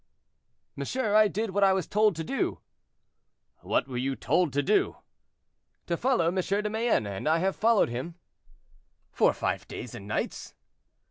"Monsieur, I did what I was told to do." "What were you told to do?" "To follow M. de Mayenne, and I have followed him." "For five days and nights?"